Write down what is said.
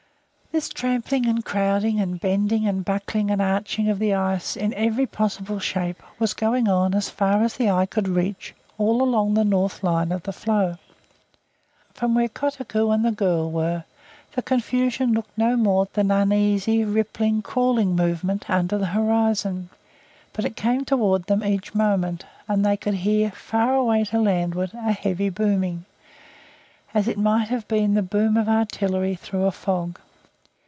This trampling and crowding and bending and buckling and arching of the ice into every possible shape was going on as far as the eye could reach all along the north line of the floe. From where Kotuko and the girl were, the confusion looked no more than an uneasy, rippling, crawling movement under the horizon; but it came toward them each moment, and they could hear, far away to landward a heavy booming, as it might have been the boom of artillery through a fog.